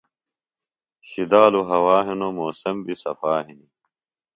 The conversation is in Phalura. شِدالُوۡ ہوا ہِنوۡ موسم بیۡ صفا ہِنیۡ۔